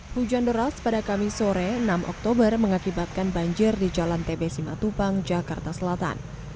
hujan doros pada kami sore enam oktober mengakibatkan banjir di jalan tbs lima tupang jakarta selatan